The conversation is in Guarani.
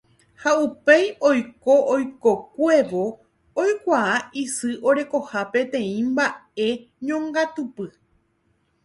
ha upéi oiko oikokuévo oikuaa isy orekoha peteĩ mba'e ñongatupy